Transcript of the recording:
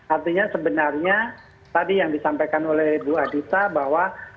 artinya sebenarnya tadi yang disampaikan oleh bu adita bahwa